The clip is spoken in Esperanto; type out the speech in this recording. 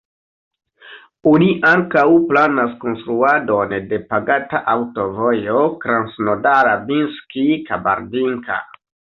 Oni ankaŭ planas konstruadon de pagata aŭtovojo Krasnodar-Abinsk-Kabardinka.